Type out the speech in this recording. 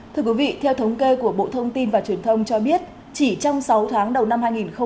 thưa quý vị theo thống kê của bộ thông tin và truyền thông cho biết chỉ trong sáu tháng đầu năm hai nghìn hai mươi ba